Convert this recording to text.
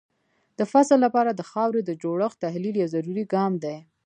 د فصل لپاره د خاورې د جوړښت تحلیل یو ضروري ګام دی.